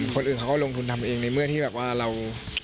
คนอื่นเขาก็ลงทุนทำเองในเมื่อที่แบบว่าเรา